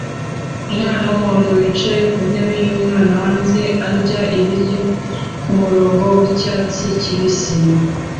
Umwana wumuhondo wicaye ku ntebe yumwana hanze arya ibiryo kumurongo wicyatsi kibisi